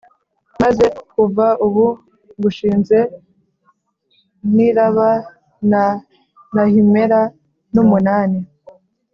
maze kuva ubu ngushinze niraba na nahimpera n'umunani